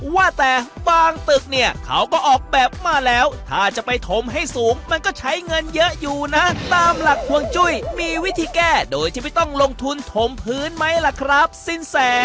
ว่าแต่บางตึกเนี่ยเขาก็ออกแบบมาแล้วถ้าจะไปถมให้สูงมันก็ใช้เงินเยอะอยู่นะตามหลักห่วงจุ้ยมีวิธีแก้โดยที่ไม่ต้องลงทุนถมพื้นไหมล่ะครับสินแส